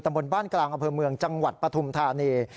ตำบลบ้านกลางอเมืองจังหวัดปฐุมธานี